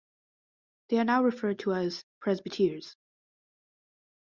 They are now referred to as "presbyters".